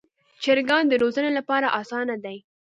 چرګان د روزنې لپاره اسانه دي.